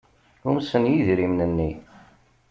Umsen yidrimen-nni.